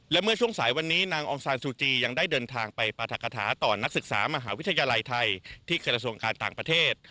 และเมื่อช่วงสายวันนี้นางองซานซูจียังได้เดินทางไปปรัฐกฐาต่อนักศึกษามหาวิทยาลัยไทยที่กระทรวงการต่างประเทศ